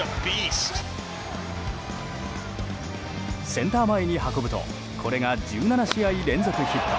センター前に運ぶとこれが１７試合連続ヒット。